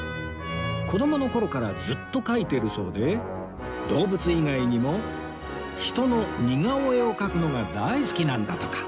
子どもの頃からずっと描いてるそうで動物以外にも人の似顔絵を描くのが大好きなんだとか